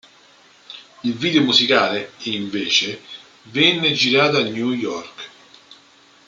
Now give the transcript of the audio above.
Il video musicale, invece, venne girato a New York.